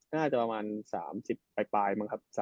น่าจะประมาณ๓๐ปลายมั้งครับ